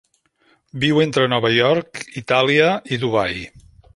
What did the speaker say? Viu entre Nova York, Itàlia i Dubai.